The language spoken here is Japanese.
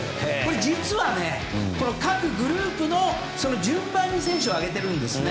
実は各グループの順番に選手を挙げてるんですね。